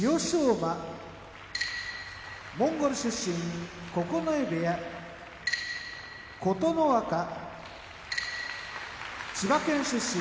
馬モンゴル出身九重部屋琴ノ若千葉県出身